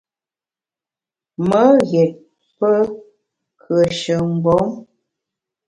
Me ghét pe kùeshe mgbom.